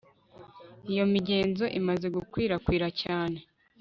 Iyo migenzo imaze gukwirakwira cyane